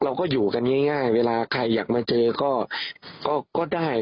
เราก็อยู่กันง่ายเวลาใครอยากมาเจอก็ได้